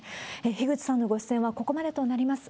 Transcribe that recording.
樋口さんのご出演はここまでとなります。